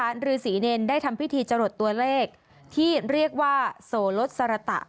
รือศรีเนรได้ทำพิธีจรดตัวเลขที่เรียกว่าโสลดสระตะ